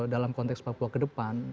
dalam konteks papua ke depan